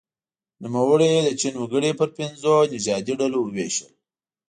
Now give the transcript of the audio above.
نوموړي د چین وګړي په پنځو نژادي ډلو وویشل.